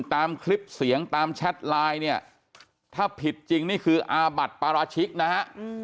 ตามคลิปเสียงตามแชทไลน์เนี่ยถ้าผิดจริงนี่คืออาบัติปราชิกนะฮะ